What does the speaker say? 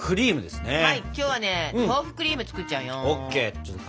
はい今日はね豆腐クリーム作っちゃうよん。